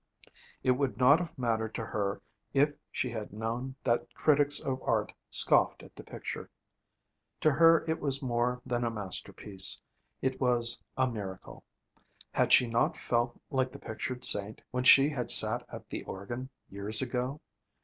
It would not have mattered to her if she had known that critics of art scoffed at the picture. To her it was more than a masterpiece; it was a miracle. Had she not felt like the pictured saint, when she had sat at the organ, years ago?